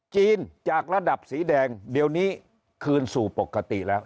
จากระดับสีแดงเดี๋ยวนี้คืนสู่ปกติแล้ว